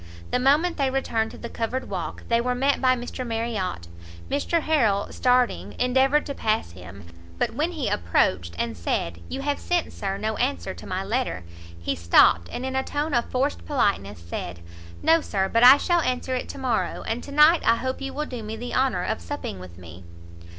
The moment they returned to the covered walk, they were met by Mr Marriot; Mr Harrel, starting, endeavoured to pass him; but when he approached, and said "you have sent, Sir, no answer to my letter!" he stopt, and in a tone of forced politeness, said, "No, Sir, but I shall answer it to morrow, and to night I hope you will do me the honour of supping with me."